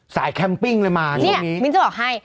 แคมปิ้งเลยมาเนี่ยมิ้นจะบอกให้